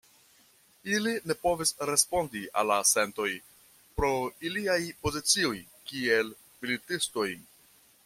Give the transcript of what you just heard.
Ili ne povis respondi al la sentoj, pro iliaj pozicioj kiel militistoj.